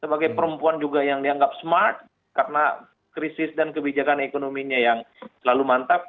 sebagai perempuan juga yang dianggap smart karena krisis dan kebijakan ekonominya yang selalu mantap